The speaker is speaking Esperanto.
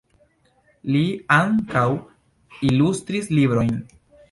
Li ankaŭ ilustris librojn.